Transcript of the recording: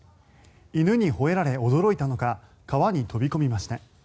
犬にほえられ驚いたのか川に飛び込みました。